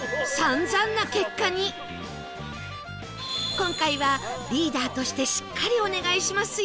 今回はリーダーとしてしっかりお願いしますよ！